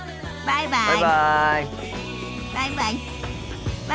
バイバイ。